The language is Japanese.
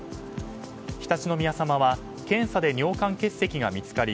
常陸宮さまは検査で尿管結石が見つかり